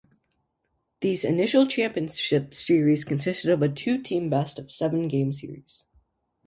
These initial championship series consisted of a two-team best-of-seven games series.